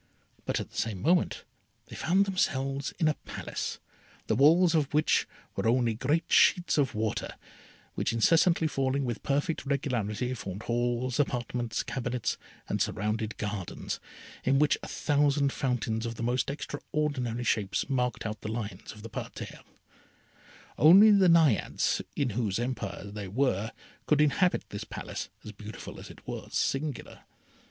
But at the same moment they found themselves in a Palace, the walls of which were only great sheets of water, which incessantly falling with perfect regularity, formed halls, apartments, cabinets, and surrounded gardens, in which a thousand fountains of the most extraordinary shapes marked out the lines of the parterres. Only the Naiades, in whose empire they were, could inhabit this Palace, as beautiful as it was singular.